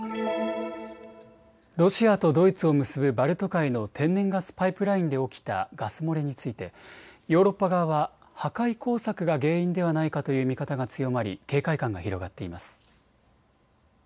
ロシアとドイツを結ぶバルト海の天然ガスパイプラインで起きたガス漏れについてヨーロッパ側は破壊工作が原因ではないかという見方が強まり警戒感が広がっています。